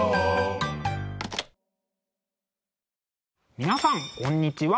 ☎皆さんこんにちは。